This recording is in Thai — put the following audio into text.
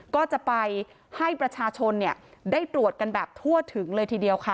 ก็จะไปให้ประชาชนได้ตรวจกันแบบทั่วถึงเลยทีเดียวค่ะ